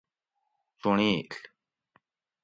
چونڑیل :